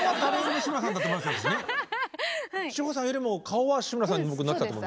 志帆さんよりも顔は志村さんに僕なってたと思います。